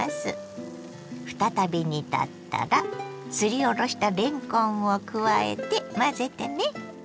再び煮立ったらすりおろしたれんこんを加えて混ぜてね。